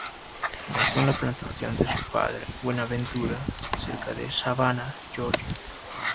Nació en la plantación de su padre de Buenaventura, cerca de Savannah, Georgia.